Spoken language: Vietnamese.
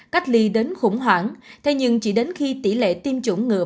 cách ly đến khủng hoảng thế nhưng chỉ đến khi tỷ lệ tiêm chủng ngừa